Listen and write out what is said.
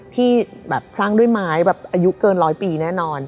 ที่สร้างด้วยไม้อายุเกิน๑๐๐ปีแน่นอน